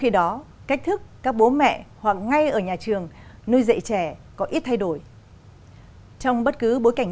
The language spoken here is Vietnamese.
khi đó cách thức các bố mẹ hoặc ngay ở nhà trường nuôi dạy trẻ có ít thay đổi trong bất cứ bối cảnh